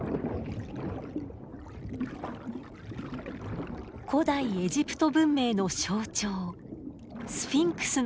古代エジプト文明の象徴スフィンクスの像です。